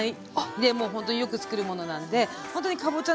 でもうほんとによくつくるものなんでほんとにかぼちゃのね